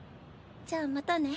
じゃあまたね。